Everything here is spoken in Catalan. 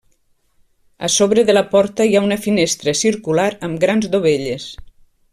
A sobre de la porta hi ha una finestra circular amb grans dovelles.